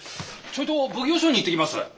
ちょいと奉行所に行ってきます。